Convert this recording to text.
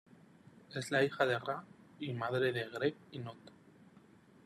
Es la hija de Ra y madre de Geb y Nut.